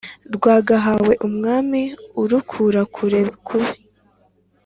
rwagahawe umwami urukura kure kubi